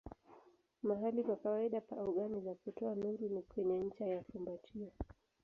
Mahali pa kawaida pa ogani za kutoa nuru ni kwenye ncha ya fumbatio.